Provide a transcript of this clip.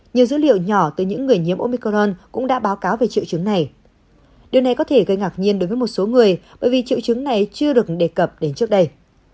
nhiều dữ liệu nhỏ từ những người nhiễm omicron cũng đã báo cáo về triệu chứng này điều này có thể gây ngạc nhiên đối với một số người bởi vì triệu chứng này chưa được đề cập đến trước đây